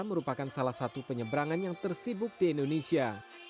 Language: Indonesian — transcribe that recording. merupakan salah satu penyeberangan yang tersibuk di indonesia